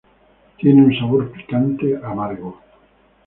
Tiene un sabor picante-amargo.